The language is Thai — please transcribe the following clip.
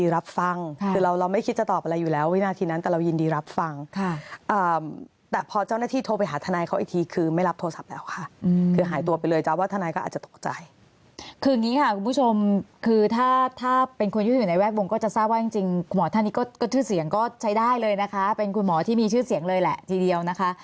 รับฟังคือเราไม่คิดจะตอบอะไรอยู่แล้ววินาทีนั้นแต่เรายินดีรับฟังแต่พอเจ้าหน้าที่โทรไปหาทนายเขาอีกทีคือไม่รับโทรศัพท์แล้วค่ะคือหายตัวไปเลยเจ้าว่าทนายก็อาจจะตกใจคืออย่างนี้ค่ะคุณผู้ชมคือถ้าเป็นคนอยู่ในแวกวงก็จะทราบว่าจริงคุณหมอท่านนี้ก็ชื่อเสียงก็ใช้ได้เลยนะคะเป็นคุณหมอที่